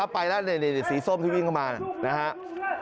ไปแล้วนี่สีส้มที่วิ่งเข้ามานะครับ